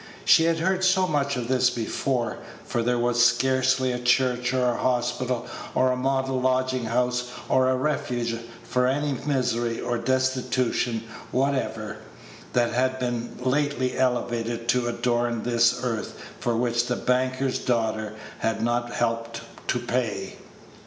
She had heard so much of this before; for there was scarcely a church, or a hospital, or a model lodging house, or a refuge for any misery or destitution whatever that had been lately elevated to adorn this earth for which the banker's daughter had not helped to pay.